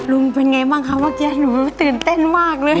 ลุงเป็นไงบ้างคะเมื่อกี้หนูตื่นเต้นมากเลย